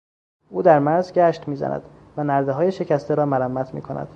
او در مرز گشت می زند و نردههای شکسته را مرمت می کند.